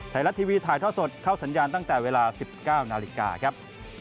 ไทยรัฐทีวีถ่ายท่อสดเข้าสัญญาณตั้งแต่เวลา๑๙นาฬิกาครับ